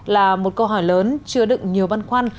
là một câu hỏi lớn chứa đựng nhiều băn khoăn